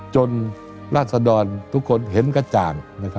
ราศดรทุกคนเห็นกระจ่าง